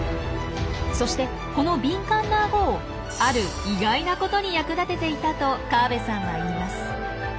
そしてこの敏感なアゴをある意外なことに役立てていたと河部さんは言います。